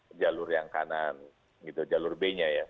jadi jalur yang kanan gitu jalur b nya ya